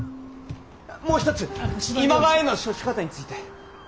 あもう一つ今川への処し方について。